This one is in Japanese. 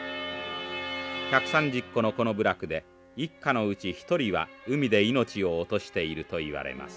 １３０戸のこの部落で一家のうち一人は海で命を落としているといわれます。